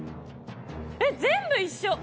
えっ全部一緒。